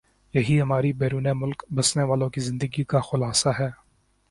یہی ہماری بیرون ملک بسنے والوں کی زندگی کا خلاصہ ہے